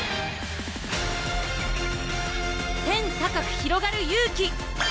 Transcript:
天高くひろがる勇気！